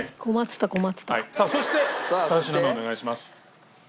さあそして３品目お願いします。